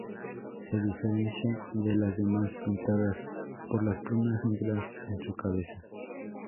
Se diferencia de las demás pintadas por las plumas negras en su cabeza.